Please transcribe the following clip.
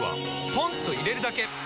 ポンと入れるだけ！